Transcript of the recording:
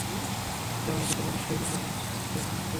আমার চাওয়া এটি সারা পৃথিবীব্যাপী বাংলা ভাষা ভাষীদের মাঝে ছড়িয়ে পড়ুক।